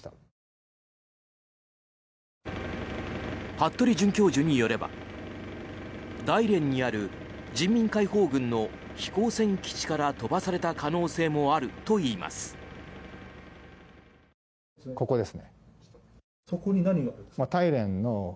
服部准教授によれば大連にある人民解放軍の飛行船基地から飛ばされた可能性もあるといいます。